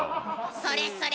それそれ